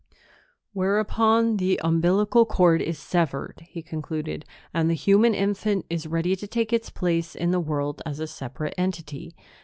"Whereupon the umbilical cord is severed," he concluded, "and the human infant is ready to take its place in the world as a separate entity.